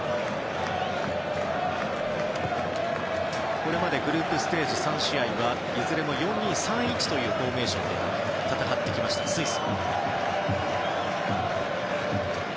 これまでグループステージ３試合はいずれも４−２−３−１というフォーメーションで戦ってきました、スイス。